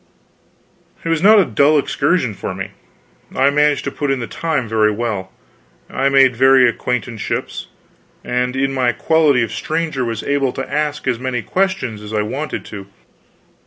It was not a dull excursion for me. I managed to put in the time very well. I made various acquaintanceships, and in my quality of stranger was able to ask as many questions as I wanted to.